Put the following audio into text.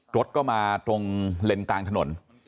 รถก็มาตรงเลนกลางถนน